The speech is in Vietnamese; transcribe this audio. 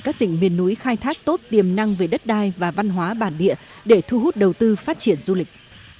các tỉnh miền núi khai thác tốt tiềm năng về đất đai và văn hóa bản địa để thu hút đầu tư phát triển du lịch